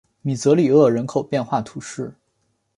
米泽里厄人口变化图示